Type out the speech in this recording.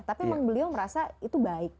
tapi memang beliau merasa itu baik